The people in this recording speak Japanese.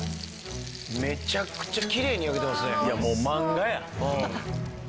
めちゃくちゃきれいに焼けてますね。